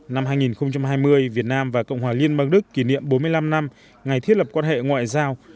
năm hai nghìn hai mươi việt nam và cộng hòa liên bang đức kỷ niệm bốn mươi năm năm ngày thiết lập quan hệ ngoại giao